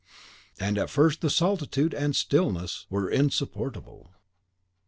And at first the solitude and the stillness were insupportable.